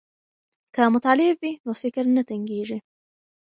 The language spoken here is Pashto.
که مطالع وي نو فکر نه تنګیږي.